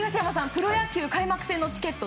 プロ野球開幕戦のチケット